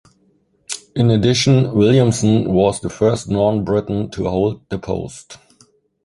In addition, Williamson was the first non-Briton to hold the post.